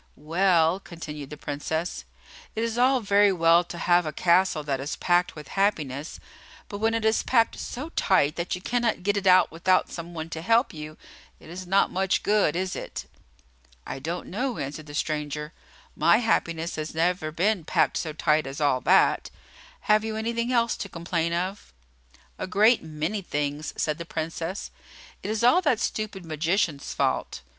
"Well," continued the Princess, "it is all very well to have a castle that is packed with happiness; but, when it is packed so tight that you cannot get it out without some one to help you, it is not much good, is it?" "I don't know," answered the stranger; "my happiness has never been packed so tight as all that. Have you anything else to complain of?" "A great many things," said the Princess. "It is all that stupid magician's fault.